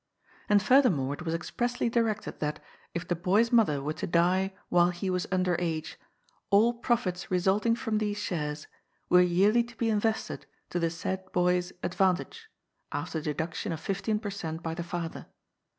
And furthermore it was expressly directed that, if the boy's mother were to die while he was under age, all profits re sulting from these shares were yearly to be invested to the said boy's advantage, after deduction of fifteen per cent by the father.